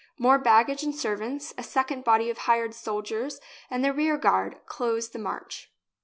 More baggage and servants, a second body of hired soldiers, and the rear guard, closed the march.